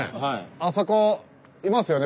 あそこいますよね